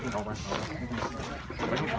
ขอบคุณครับ